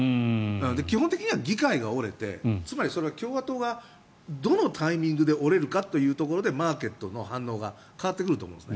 基本的には議会が折れて共和党がどこで折れるかというところでマーケットの反応が変わってくると思うんです。